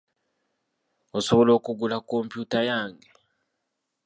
Osobola okugula kompyuta yange?